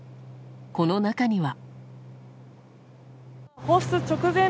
この中には。